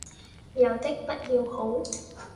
有的不要好，